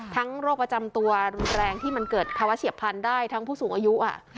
โรคประจำตัวรุนแรงที่มันเกิดภาวะเฉียบพันธุ์ได้ทั้งผู้สูงอายุ